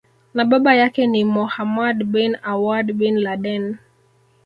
na baba yake ni Mohammad bin Awad bin Laden